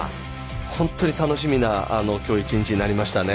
本当に楽しみなきょう１日になりました。